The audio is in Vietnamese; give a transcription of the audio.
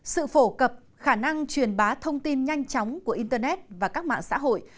sự phổ cập khả năng truyền bá thông tin nhanh chóng của internet và các mạng xã hội